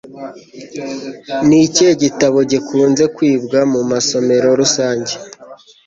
Nikihe gitabo gikunze kwibwa mumasomero rusange